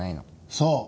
そう。